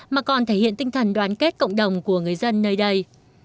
mà còn thể hiện tinh thần đoàn kết cộng đồng của người dân nơi đây